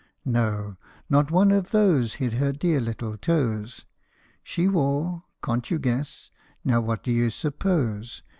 No ! not one of those hid her dear little toes. She wore can't you guess ? now what do you suppose